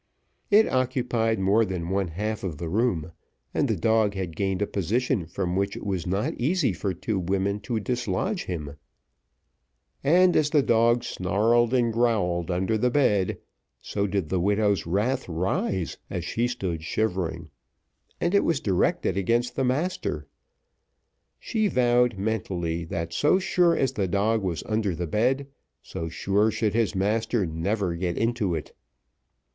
It occupied more than one half of the room, and the dog had gained a position from which it was not easy for two women to dislodge him; and, as the dog snarled and growled under the bed, so did the widow's wrath rise as she stood shivering and it was directed against the master. She vowed mentally, that so sure as the dog was under the bed, so sure should his master never get into it.